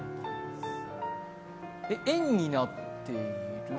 円になっている。